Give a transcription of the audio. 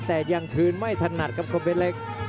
แต่ยังคืนไม่ถนัดกับคมเพชรเล็ก